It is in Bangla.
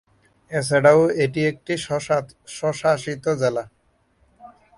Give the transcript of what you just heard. এছাড়াও এটি একটি স্বশাসিত জেলা।